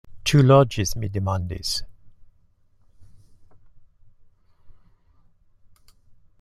Ĉu loĝis? mi demandis.